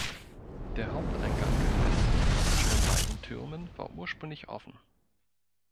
Der Haupteingang im Westen zwischen den beiden Türmen war ursprünglich offen.